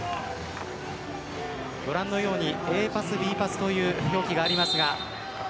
ご覧のようにＡパスＢパスという動きがあります。